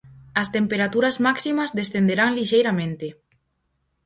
As temperaturas máximas descenderán lixeiramente.